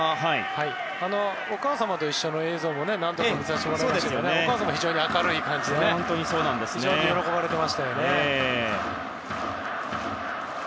お母様と一緒の映像も何度か見ましたがお母様も非常に明るい感じで非常に喜ばれてましたね。